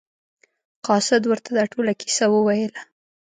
قاصد ورته دا ټوله کیسه وویله.